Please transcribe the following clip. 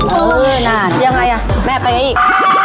อื้อยังไงอ่ะแม่ไปไงอีก